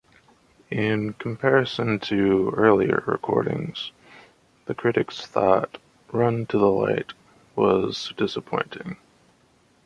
In comparison to earlier recordings, the critics thought "Run to the Light" was "disappointing".